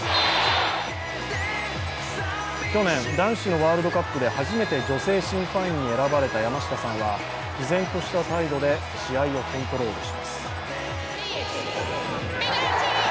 去年、男子のワールドカップで初めて女性審判員に選ばれた山下さんはきぜんとした態度で試合をコントロールします。